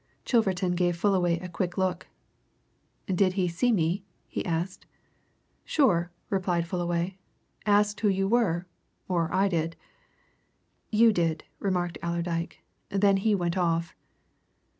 Chilverton gave Fullaway a quick look. "Did he see me?" he asked. "Sure!" replied Fullaway. "Asked who you were or I did." "You did," remarked Allerdyke. "Then he went off."